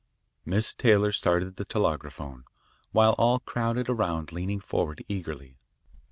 Miss Taylor started the telegraphone, while we all crowded around leaning forward eagerly.